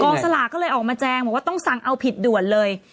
สลากก็เลยออกมาแจงบอกว่าต้องสั่งเอาผิดด่วนเลย